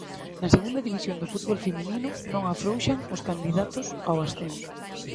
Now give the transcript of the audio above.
Na Segunda División do fútbol feminino, non afrouxan os candidatos ao ascenso.